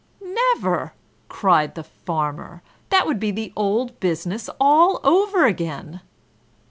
"Never!" cried the Farmer; "that would be the old business all over again!"